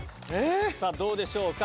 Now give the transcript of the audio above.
さあ、どうでしょうか。